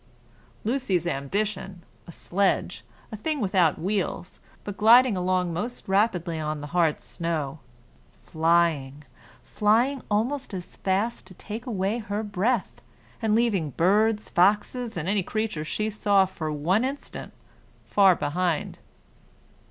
Lucy's ambition a sledge, a thing without wheels, but gliding along most rapidly on the hard snow; flying, flying almost fast enough to take away her breath, and leaving birds, foxes, and any creature she saw for one instant, far behind.